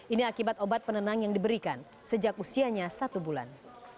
ini akibat obat penenang yang diberikan sejak usianya satu bulan